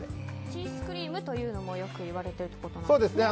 シースクリームというのもよく言われているんですね。